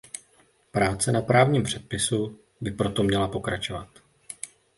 Práce na právním předpisu by proto měla pokračovat.